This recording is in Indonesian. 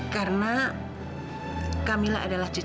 karena kamila adalah cucu saya